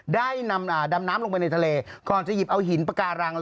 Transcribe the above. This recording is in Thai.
ได้ดำน้ำลงไปในทะเลก่อนจะหยิบเอาหินปาการัง